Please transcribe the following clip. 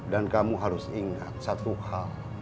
dan kamu harus ingat satu hal